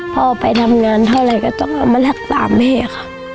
พ่อไปทำงานเท่าไหร่ก็ต้องมารักษาฉัน